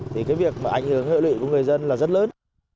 thì cái việc mà ảnh hưởng hệ lụy của người dân là rất lớn